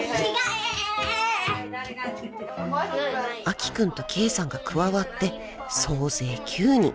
［明希君とケイさんが加わって総勢９人］